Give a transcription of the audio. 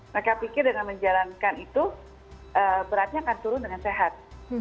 mereka pikir dengan menjalankan itu beratnya akan turun dengan sehat